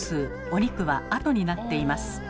お肉は後になっています。